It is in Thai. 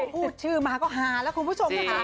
พูดชื่อมาก็ฮาแล้วคุณผู้ชมค่ะ